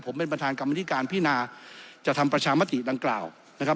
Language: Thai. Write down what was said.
ผมเป็นประธานกรรมนิการพินาจะทำประชามติดังกล่าวนะครับ